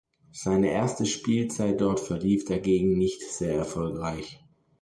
Seine erste Spielzeit dort verlief dagegen nicht sehr erfolgreich.